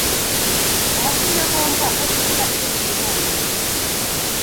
Aha si na ngombwa ko tugira ibyo dusobanura